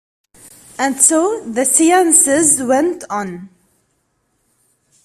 And so the seances went on.